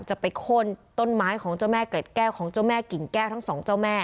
ไปโค้นต้นไม้ของเจ้าแม่เกร็ดแก้วของเจ้าแม่กิ่งแก้วทั้งสองเจ้าแม่